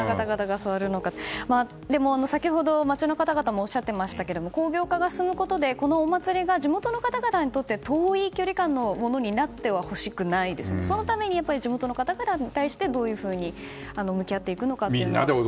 でも、先ほど町の方々もおっしゃっていましたけど興行化が進むことでこのお祭りが地元の方々にとって遠い距離のものになってほしくないのでそのために、地元の方々に対してどういうふうに向き合っていくのかと。